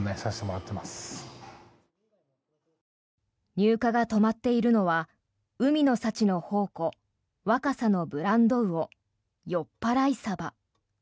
入荷が止まっているのは海の幸の宝庫、若狭のブランド魚よっぱらいサバ。